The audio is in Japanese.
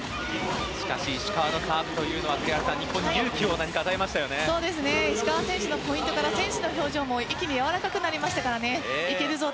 しかし石川のサーブは栗原さん、日本に石川選手のポイントから選手の表情も一気にやわらかくなりましたから。